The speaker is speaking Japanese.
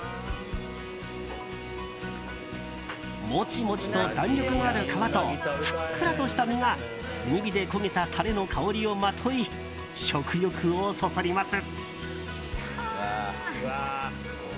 モチモチと弾力のある皮とふっくらとした身が炭火で焦げたタレの香りをまとい食欲をそそります。